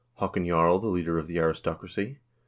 Haakon Jarl the Leader of the Aristocracy.